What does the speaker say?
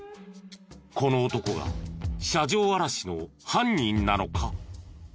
この男が車上あらしの犯人なのか？